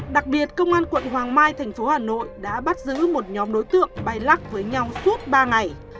đặc biệt công an quận hoàng mai thành phố hà nội đã bắt giữ một nhóm đối tượng bay lắc với nhau suốt ba ngày